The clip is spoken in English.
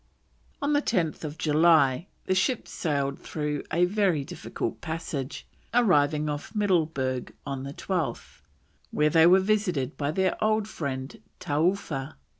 On 10th July the ships sailed through a very difficult passage, arriving off Middleburg on the 12th, where they were visited by their old friend Taoofa.